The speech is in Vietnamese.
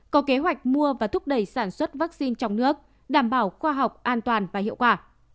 có kế hoạch mua và thúc đẩy sản xuất vaccine trong nước đảm bảo khoa học an toàn và hiệu quả